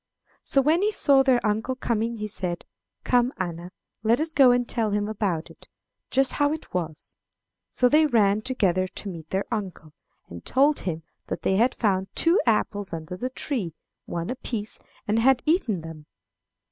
"So when he saw their uncle coming he said, 'Come, Anna, let us go and tell him about it, just how it was. So they ran together to meet their uncle, and told him that they had found two apples under the tree, one apiece, and had eaten them.